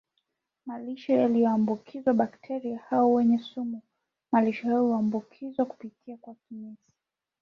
malisho yaliyoambukizwa bakteria hao wenye sumu Malisho hayo huambukizwa kupitia kwa kinyesi